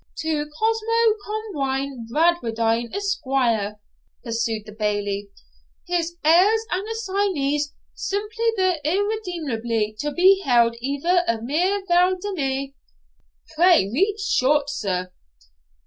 ' To Cosmo Comyne Bradwardme, Esq.,' pursued the Bailie, 'his heirs and assignees, simply and irredeemably, to be held either a me vel de me ' 'Pray read short, sir.'